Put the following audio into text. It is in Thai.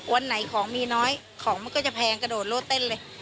วันไหนของมีน้อยของมันก็จะแพงกระโดดโลดเต้นเลย